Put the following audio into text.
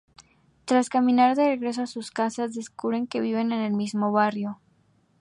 Tras caminar de regreso a sus casas descubren que viven en el mismo barrio.